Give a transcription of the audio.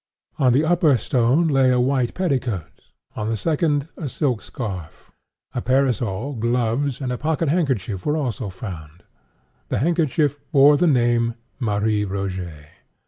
On the upper stone lay a white petticoat; on the second a silk scarf. A parasol, gloves, and a pocket handkerchief were also here found. The handkerchief bore the name "Marie Rogêt."